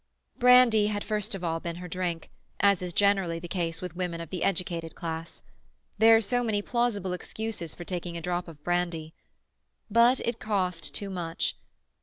Brandy had first of all been her drink, as is generally the case with women of the educated class. There are so many plausible excuses for taking a drop of brandy. But it cost too much.